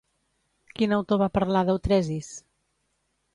Quin autor va parlar d'Eutresis?